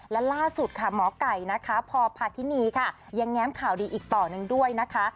และล่าสุดค่ะหมอไก่นะคะพอพาทินีค่ะยังแง้มข่าวดีอีกต่อหนึ่งด้วยนะคะ